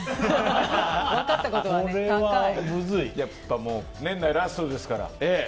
やっぱり年内ラストですから。